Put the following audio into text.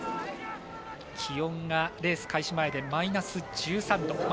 気温がレース開始前でマイナス１３度。